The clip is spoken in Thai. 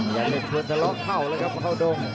อยากจะเชื่อจัดล็อกเข้าเลยครับกว่าเฮาโดง